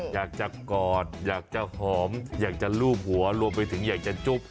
อยากจะกอดอยากจะหอมอยากจะลูบหัวรวมไปถึงอยากจะจุ๊บ